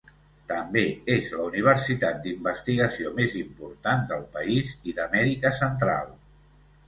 També és la universitat d'investigació més important del país i d'Amèrica Central.